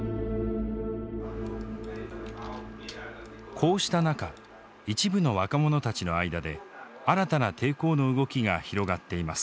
こうした中一部の若者たちの間で新たな抵抗の動きが広がっています。